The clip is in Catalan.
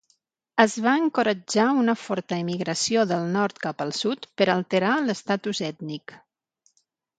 Es va encoratjar una forta emigració del nord cap al sud per alterar l'estatus ètnic.